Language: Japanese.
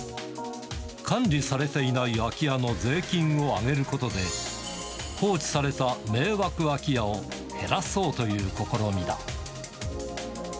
管理されていない空き家の税金を上げることで、放置された迷惑空き家を減らそうという試みだ。